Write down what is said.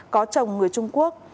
có chồng người trung quốc